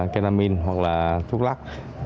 kelamin hoặc là thuốc lắc